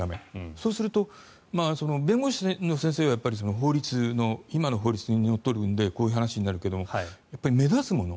そうすると弁護士の先生は今の法律にのっとるのでこういう話になるけれども目立つもの